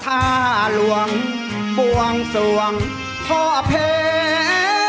พิเศษของงานทอง